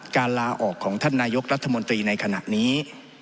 ลาออกของท่านนายกรัฐมนตรีในขณะนี้